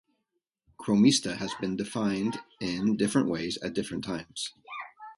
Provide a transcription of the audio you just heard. Chromista has been defined in different ways at different times.